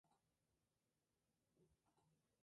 Agosto: Festejo en comunidad "Día del Niño".